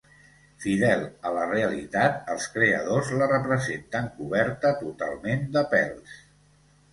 Fidel a la realitat, els creadors la representen coberta totalment de pèls.